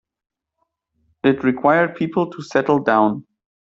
It required people to settle down.